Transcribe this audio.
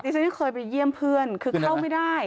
ฉันยังเคยไปเยี่ยมเพื่อนคือเข้าไม่ได้